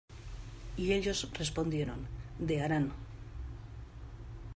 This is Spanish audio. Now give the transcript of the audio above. Y ellos respondieron: De Harán.